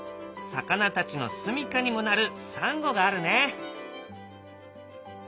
魚たちのすみかにもなるサンゴがあるね。